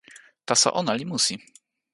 taso ona li musi.